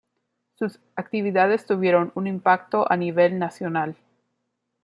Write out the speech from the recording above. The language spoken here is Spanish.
Sus actividades tuvieron un impacto a nivel nacional.